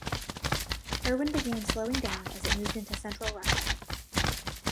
Erwin began slowing down as it moved into Central Russia.